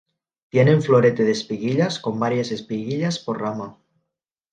Tiene un florete de espiguillas con varias espiguillas por rama.